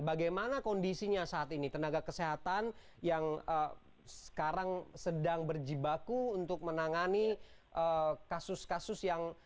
bagaimana kondisinya saat ini tenaga kesehatan yang sekarang sedang berjibaku untuk menangani kasus kasus yang